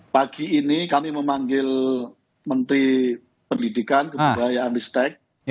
pagi ini kami memanggil menteri pendidikan kebudayaan ristek